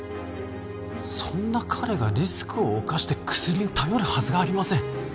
そんな彼がリスクを冒して薬に頼るはずがありません